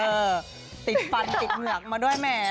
เออติดฟันติดเหงือกมาด้วยแหม